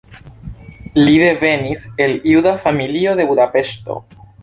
Li devenis el juda familio de Budapeŝto.